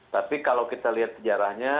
tapi kalau kita lihat sejarahnya